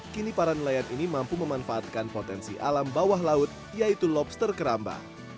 kini para nelayan ini mampu memanfaatkan potensi alam bawah laut yaitu lobster keramba